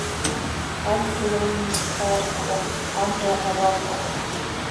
Адгьыл ауми изқәаарыхуа амра ауакәху!